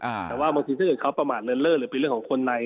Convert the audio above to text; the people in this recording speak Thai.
แต่ว่าบางทีถ้าเกิดเขาประมาทเลินเลิศหรือเป็นเรื่องของคนใน